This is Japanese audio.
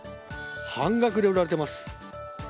半額で売られています。